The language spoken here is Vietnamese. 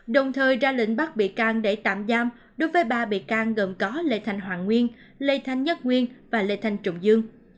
đồng thời ra lệnh bắt bị can để tạm giam đối với ba bị can gồm có lê thành hoàng nguyên lê thanh nhất nguyên và lê thanh trùng dương